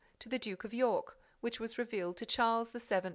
to the Duke of York, which was revealed to Charles VII.